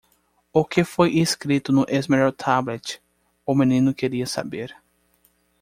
"O que foi escrito no Emerald Tablet?" o menino queria saber.